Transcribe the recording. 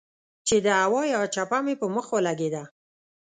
چې د هوا يوه چپه مې پۀ مخ ولګېده